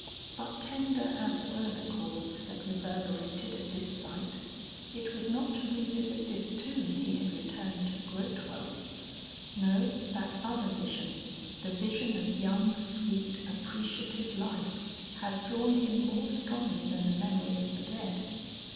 But tender as were the chords that reverberated at this sight, it was not to revisit this tomb he had returned to Grotewell. No, that other vision, the vision of young sweet appreciative life has drawn him more strongly than the memory of the dead.